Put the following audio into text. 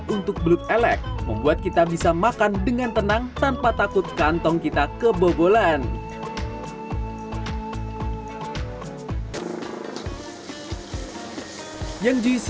untuk belut elek membuat kita bisa makan dengan tenang tanpa takut kantong kita kebobolan